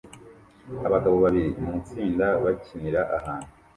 Abagabo babiri mu itsinda bakinira ahantu